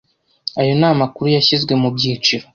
Ayo ni amakuru yashyizwe mu byiciro.